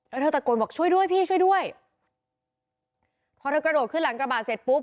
แล้วเธอตะโกนบอกช่วยด้วยพี่ช่วยด้วยพอเธอกระโดดขึ้นหลังกระบะเสร็จปุ๊บ